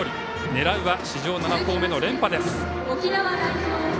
狙うは史上７校目の連覇です。